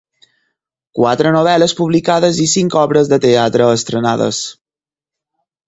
Quatre novel·les publicades i cinc obres de teatre estrenades.